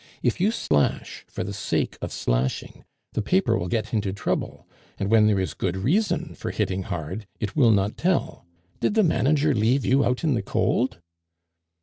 If you slash for the sake of slashing, the paper will get into trouble, and when there is good reason for hitting hard it will not tell. Did the manager leave you out in the cold?"